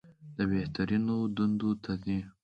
بهترینو دندو ته ځي.